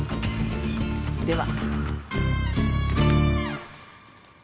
では。